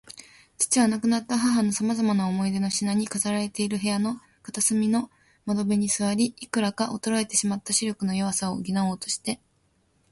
父は、亡くなった母のさまざまな思い出の品に飾られている部屋の片隅の窓辺に坐り、いくらか衰えてしまった視力の弱さを補おうとして